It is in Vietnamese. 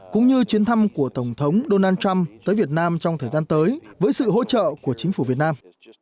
cũng như chuyến thăm của tổng thống donald trump tới việt nam trong thời gian tới với sự hỗ trợ của chính phủ việt nam